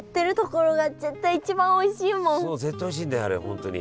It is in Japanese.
そう絶対おいしいんだよあれ本当に。